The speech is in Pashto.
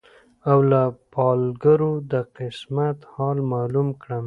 او له پالګرو د قسمت حال معلوم کړم